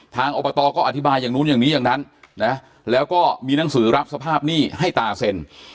อบตก็อธิบายอย่างนู้นอย่างนี้อย่างนั้นนะแล้วก็มีหนังสือรับสภาพหนี้ให้ตาเซ็น